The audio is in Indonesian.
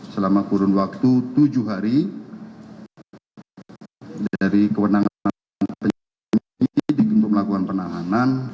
selama kurun waktu tujuh hari dari kewenangan penyidik untuk melakukan penahanan